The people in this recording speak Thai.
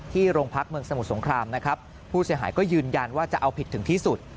โรงพักเมืองสมุทรสงครามนะครับผู้เสียหายก็ยืนยันว่าจะเอาผิดถึงที่สุด